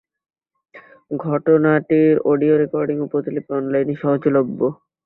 ঘটনাটির audio recording ও প্রতিলিপি অনলাইনে সহজলভ্য।